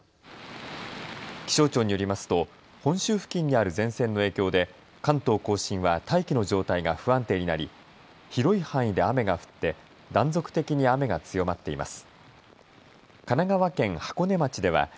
気象庁によりますと本州付近にある前線の影響で関東甲信は大気の状態が不安定になり広い範囲で雨が降って断続的に雨が強まっています。